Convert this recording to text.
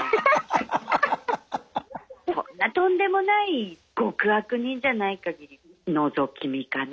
そんなとんでもない極悪人じゃないかぎりはのぞき見かな